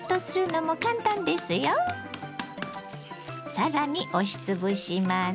更に押しつぶします。